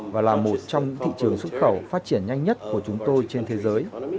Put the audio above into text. và là một trong những thị trường xuất khẩu phát triển nhanh nhất của chúng tôi trên thế giới